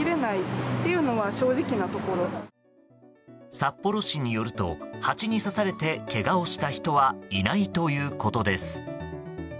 札幌市によるとハチに刺されてけがをした人はいないということです。